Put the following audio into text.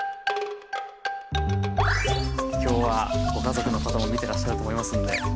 今日はご家族の方も見てらっしゃると思いますんで。